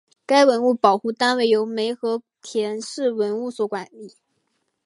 该文物保护单位由梅河口市文物所管理。